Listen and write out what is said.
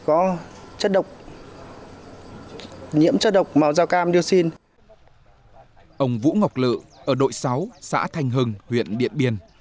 ông vũ ngọc lự ở đội sáu xã thành hưng huyện điện biên